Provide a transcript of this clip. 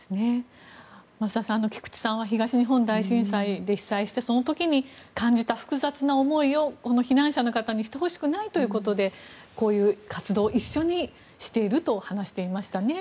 増田さん菊地さんは東日本大震災で被災してその時に感じた複雑な思いを避難者の方にしてほしくないということでこういう活動を一緒にしていると話していましたね。